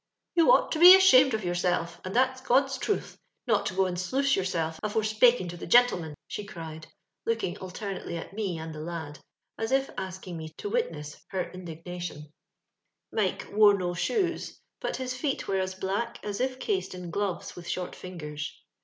*^ Ton oaght to be aehamed of yoorMlf— and thaTa QoA'u truth — not to go and daioe yoorMlf afore anddng to the jintlemin," ahe aied, lodldng altematdy at me and the lad, aa if aaking me to witneee her indignation. Miko woro no shoes, bat his i^t were as black as if cased in gloTes with short fingers.